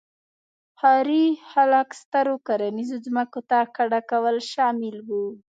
ښاري خلک سترو کرنیزو ځمکو ته کډه کول شامل وو